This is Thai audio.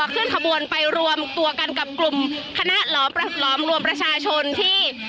เคลื่อนขบวนไปรวมตัวกันกับกลุ่มคณะหลอมหลอมรวมประชาชนที่